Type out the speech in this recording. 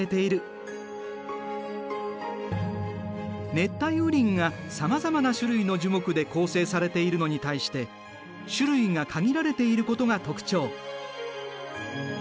熱帯雨林がさまざまな種類の樹木で構成されているのに対して種類が限られていることが特徴。